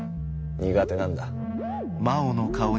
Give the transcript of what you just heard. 苦手なんだ。